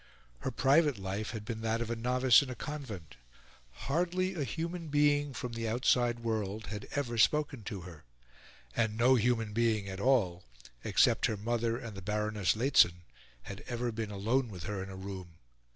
Her private life had been that of a novice in a convent: hardly a human being from the outside world had ever spoken to her; and no human being at all, except her mother and the Baroness Lehzen, had ever been alone with her in a room.